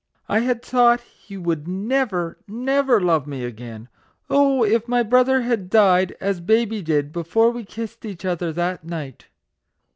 I had thought he would never, never love me again ! Oh ! if my brother had died, as baby did, before we kissed each other that night!"